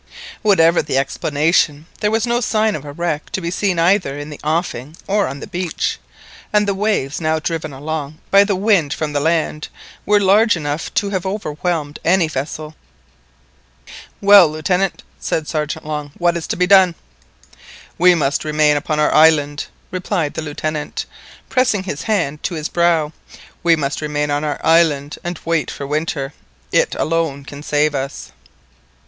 Whatever the explanation there was no sign of a wreck to be seen either in the offing or on the beach, and the waves, now driven along by the wind from the land, were large enough to have overwhelmed any vessel. "Well, Lieutenant," said Sergeant Long, "what is to be done?'" "We must remain upon our island," replied the Lieutenant, pressing his hand to his brow; "we must remain on our island and wait for winter; it alone can save us."